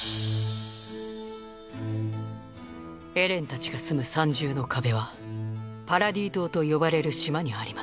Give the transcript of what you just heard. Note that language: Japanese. エレンたちが住む三重の壁は「パラディ島」と呼ばれる島にあります。